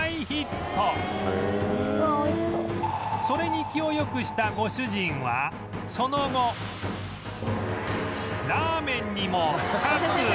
それに気をよくしたご主人はその後ラーメンにもカツ